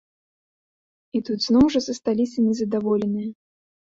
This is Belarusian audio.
І тут зноў жа засталіся незадаволеныя.